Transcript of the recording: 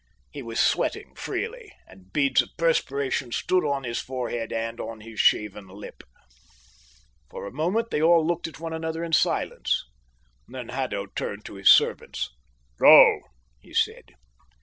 He was sweating freely, and beads of perspiration stood on his forehead and on his shaven lip. For a moment they all looked at one another in silence. Then Haddo turned to his servants. "Go," he said.